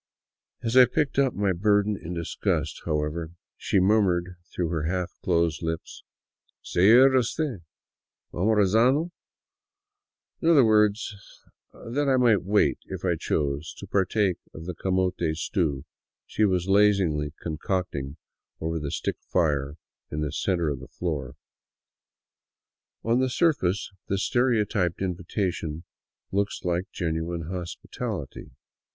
As I picked up my burden in disgust, however, she murmured through her half closed lips, " Se ira uste' almorzando ?"— in other words that I might wait, if I chose, to partake of the camote stew she was lazily concocting over the stick fire in the center of the floor. On the surface this stereotyped invitation looks like genuine hospitality.